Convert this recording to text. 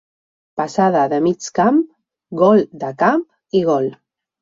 passada de mig camp, gol de camp i gol.